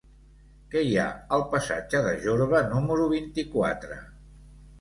Què hi ha al passatge de Jorba número vint-i-quatre?